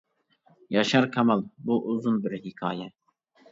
ياشار كامال: بۇ ئۇزۇن بىر ھېكايە.